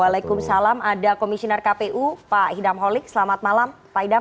waalaikumsalam ada komisioner kpu pak idam holik selamat malam pak idam